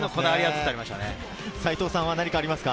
齊藤さんは何かありますか？